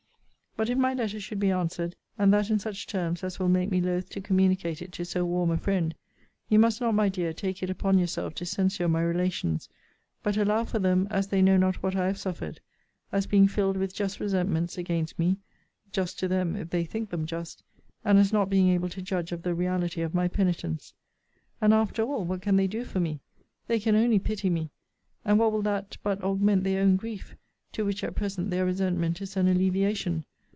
But if my letter should be answered, and that in such terms as will make me loth to communicate it to so warm a friend you must not, my dear, take it upon yourself to censure my relations; but allow for them as they know not what I have suffered; as being filled with just resentments against me, (just to them if they think them just;) and as not being able to judge of the reality of my penitence. And after all, what can they do for me? They can only pity me: and what will that but augment their own grief; to which at present their resentment is an alleviation?